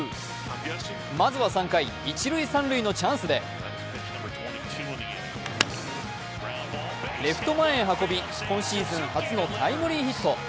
まずは３回、一・三塁のチャンスでレフト前へ運び、今シーズン初のタイムリーヒット。